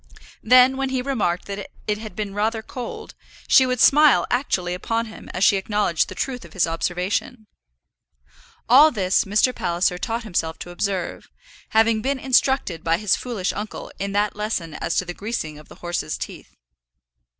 Then when he remarked that it had been rather cold, she would smile actually upon him as she acknowledged the truth of his observation. All this Mr. Palliser taught himself to observe, having been instructed by his foolish uncle in that lesson as to the greasing of the horses' teeth.